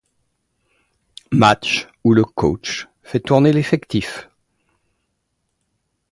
Match où le coach fait tourner l'effectif.